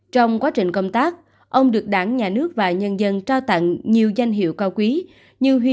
trong quá trình công tác ông được đảng nhà nước và nhân dân trao tặng nhiều danh hiệu cao quý như huy